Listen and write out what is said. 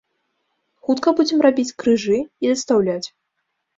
Хутка будзем рабіць крыжы і дастаўляць.